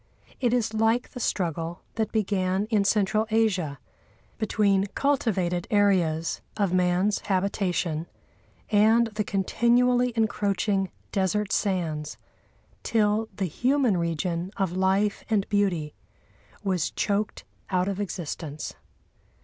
It is like the struggle that began in Central Asia between cultivated areas of man's habitation and the continually encroaching desert sands, till the human region of life and beauty was choked out of existence.